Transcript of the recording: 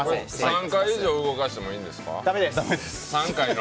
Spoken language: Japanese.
３回以上動かしてもいいんですか？